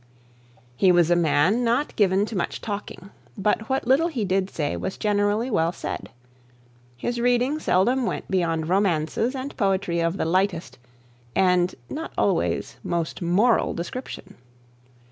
He was a man not given to much talking, but what little he did say was generally well said. His reading seldom went beyond romances and poetry of the lightest and not always most moral description.